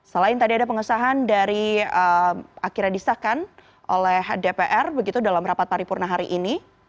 selain tadi ada pengesahan dari akhirnya disahkan oleh dpr begitu dalam rapat paripurna hari ini